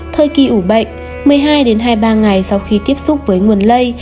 thời kỳ ủ bệnh một mươi hai đến hai mươi ba ngày sau khi tiếp xúc với nguồn lây